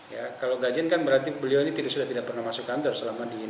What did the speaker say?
ya kalau gajian kan berarti beliau ini sudah tidak pernah masuk kantor selama ini